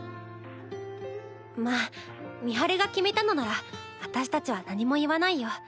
まっ美晴が決めたのなら私たちは何も言わないよ。